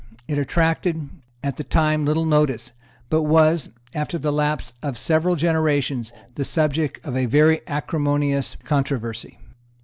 It attracted, at the time, little notice, but was, after the lapse of several generations, the subject of a very acrimonious controversy.